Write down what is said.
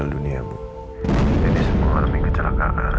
tunggu abis itu